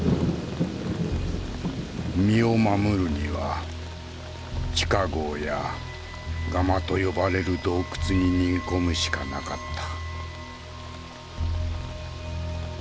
身を守るには地下壕やガマと呼ばれる洞窟に逃げ込むしかなかった。